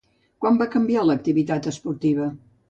Quan va canviar d'activitat esportiva?